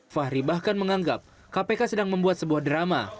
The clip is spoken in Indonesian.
fahri bahkan menganggap kpk sedang membuat sebuah drama